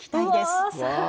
うわ！